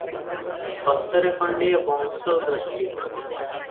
ହସ୍ତରେ ଖଣ୍ଡିଏ ବଂଶଯଷ୍ଟି ।